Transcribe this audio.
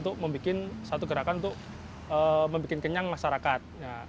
untuk membuat satu gerakan untuk membuat kenyang masyarakat